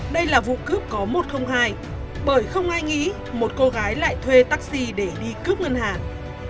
đây là vụ cướp có một trăm linh hai bởi không ai nghĩ một cô gái lại thuê taxi để đi cướp ngân hàng